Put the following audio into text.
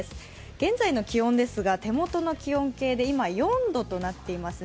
現在の気温ですが手元の気温計で４度となっていますね。